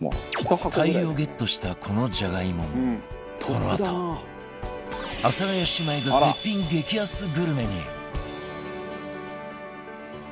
大量ゲットしたこのじゃがいももこのあと阿佐ヶ谷姉妹が絶品激安グルメに